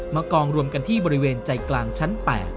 กองรวมกันที่บริเวณใจกลางชั้น๘